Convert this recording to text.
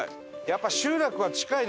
やっぱり。